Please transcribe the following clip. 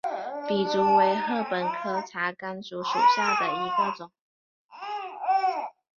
笔竹为禾本科茶秆竹属下的一个种。